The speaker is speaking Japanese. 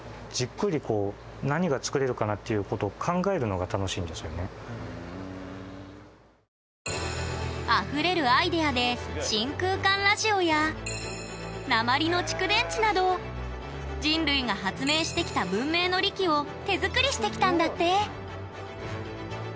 これあのこんなふうに普通はじっくりこうあふれるアイデアで真空管ラジオや鉛の蓄電池など人類が発明してきた文明の利器を手作りしてきたんだって。